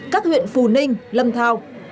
các huyện phù ninh lâm thao